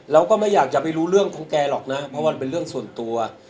เราก็ไม่อยากจะไปรู้เรื่องของแกหรอกนะเพราะมันเป็นเรื่องส่วนตัว